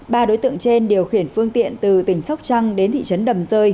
ba đối tượng trên điều khiển phương tiện từ tỉnh sóc trăng đến thị trấn đầm rơi